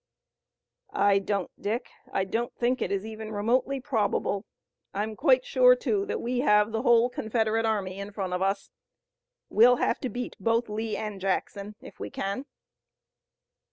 "I don't, Dick. I don't think it is even remotely probable. I'm quite sure, too, that we have the whole Confederate army in front of us. We'll have to beat both Lee and Jackson, if we can."